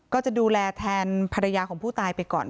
ก็จะดูแลแทนภรรยาของผู้ตายไปก่อน